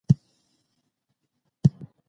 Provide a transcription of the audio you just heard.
جرګه د سولې د هڅو یو سپیڅلی او ولسي مرکز دی.